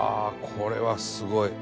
これはすごい。